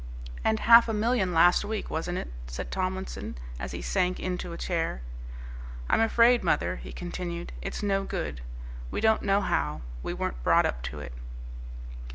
"And half a million last week, wasn't it?" said Tomlinson as he sank into a chair. "I'm afraid, mother," he continued, "it's no good. We don't know how. We weren't brought up to it."